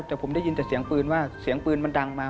แต่ผมได้ยินแต่เสียงปืนว่าเสียงปืนมันดังมา